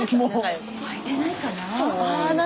開いてないかな？